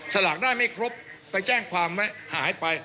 สลากได้ไม่ครบไปแจ้งความไว้หายไป